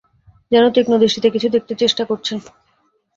যেন তীক্ষ্ণ দৃষ্টিতে কিছু দেখতে চেষ্টা করছেন।